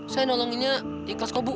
saya nolonginnya di kelas kau bu